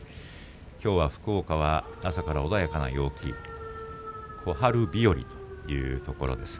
きょうは福岡は朝から穏やかな陽気小春日和というところです。